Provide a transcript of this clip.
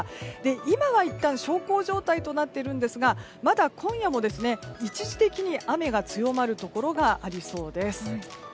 今はいったん小康状態となっているんですがまだ今夜も一時的に雨が強まるところがありそうです。